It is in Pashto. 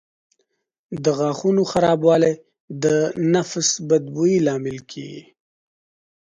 د غاښونو خرابوالی د نفس بد بوی لامل کېږي.